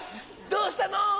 どうしたの？